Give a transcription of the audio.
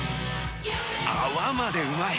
泡までうまい！